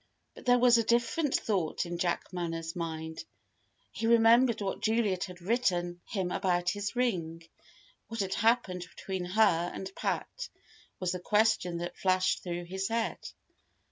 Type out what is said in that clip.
But there was a different thought in Jack Manners' mind. He remembered what Juliet had written him about this ring. What had happened between her and Pat? was the question that flashed through his head.